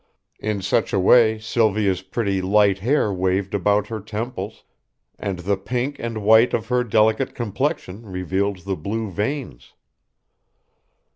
In such a way Sylvia's pretty light hair waved about her temples, and the pink and white of her delicate complexion revealed the blue veins.